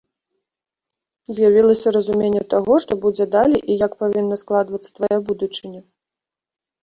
З'явілася разуменне таго, што будзе далей і як павінна складвацца твая будучыня?